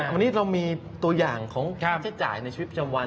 วันนี้เรามีตัวอย่างของค่าใช้จ่ายในชีวิตประจำวัน